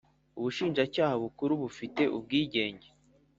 Ubushinjacyaha Bukuru bufite ubwigenge